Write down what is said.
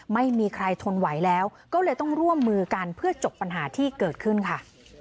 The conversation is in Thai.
ไม่มีใครทนไหวแล้วก็เลยต้องร่วมมือกันเพื่อจบปัญหาที่เกิดขึ้นค่ะ